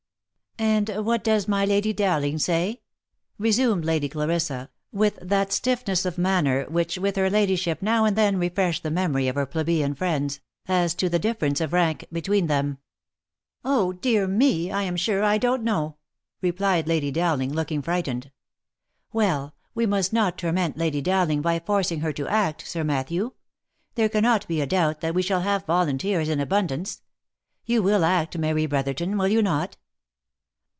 " And what does my Lady Dowling say ?" resumed Lady Clarissa, with that stiffness of manner with which her ladyship now and then refreshed the memory of her plebeian friends, as to the difference of rank between them." " Oh ! dear me, I am sure I don't know," replied Lady Dowling, looking frightened. " Well ! we must not torment Lady Dowling by forcing her to act, Sir Matthew. There cannot be a doubt that we shall have volunteers in abundance. You will act, Mary Brotherton, will you not?"